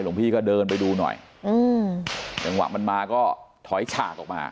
พี่ก็เดินไปดูหน่อยอืมจังหวะมันมาก็ถอยฉากออกมา